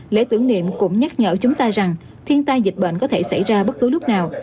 lễ tưởng niệm cũng nhắc nhở chúng ta rằng thiên tai dịch bệnh có thể xảy ra bất cứ lúc nào